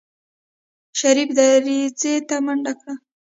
شريف دريڅې ته منډه کړه.